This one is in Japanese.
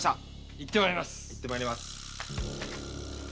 行って参ります。